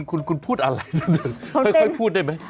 คุณพูดอะไรค่อยพูดได้ไหม